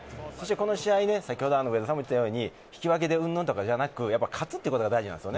この試合、先ほど上田さんも言ったように、引き分けてうんぬんとかじゃなく、勝つということが大事なんです。